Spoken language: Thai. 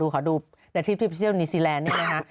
ขอดูในทริปที่เรียกว่านิวซีแลนด์นี่แหละนะ